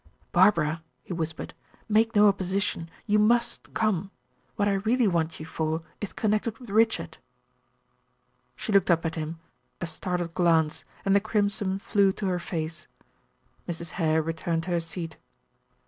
"Barbara," he whispered, "make no opposition. You must come. What I really want you for is connected with Richard." She looked up at him, a startled glance, and the crimson flew to her face. Mrs. Hare returned to her seat.